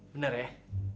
bener ya bener